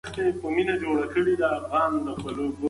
که کتابپلورنځی وي نو سرچینه نه ورکېږي.